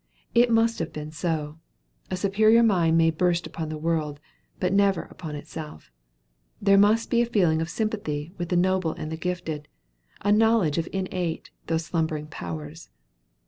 It must have been so; a superior mind may burst upon the world, but never upon itself: there must be a feeling of sympathy with the noble and the gifted, a knowledge of innate though slumbering powers.